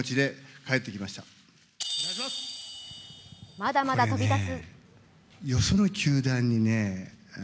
まだまだ飛び出す。